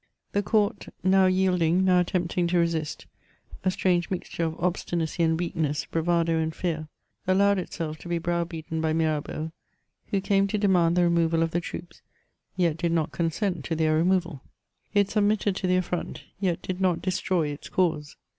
The court, now yielding, now attempting to resis.t, a strange mixture of obstinacy and weakness, bravado and f^ar, allowed itself to be brow beaten by Mirabeau, who ^ame to demand the removal of the troops, yet did not consent to their removal ; it submitted to the affront, yet did not destroy its cause.